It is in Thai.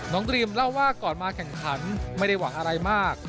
ดริมเล่าว่าก่อนมาแข่งขันไม่ได้หวังอะไรมาก